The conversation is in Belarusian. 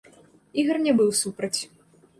Ігар не быў супраць.